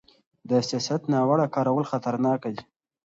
د سیاست ناوړه کارول خطرناک دي